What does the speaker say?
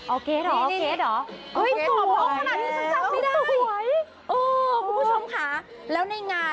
โอเคหรอโอเคหรอ